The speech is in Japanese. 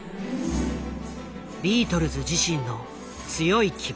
ビートルズ自身の強い希望。